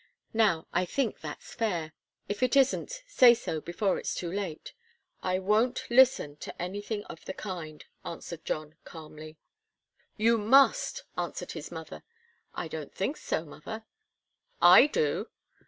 Now, I think that's fair. If it isn't, say so before it's too late." "I won't listen to anything of the kind," answered John, calmly. "You must," answered his mother. "I don't think so, mother." "I do.